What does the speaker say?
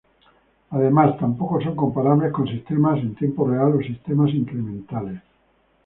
Además, tampoco son comparables con sistemas en tiempo real o sistemas incrementales.